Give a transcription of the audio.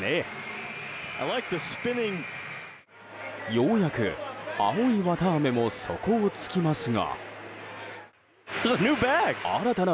ようやく青い綿あめも底を尽きますが。